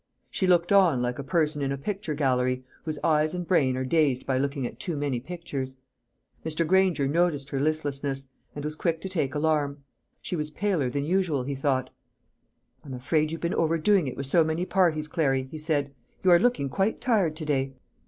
She looked on, like a person in a picture gallery, whose eyes and brain are dazed by looking at too many pictures. Mr. Granger noticed her listlessness, and was quick to take alarm. She was paler than usual, he thought. "I'm afraid you've been overdoing it with so many parties, Clary," he said; "you are looking quite tired to day."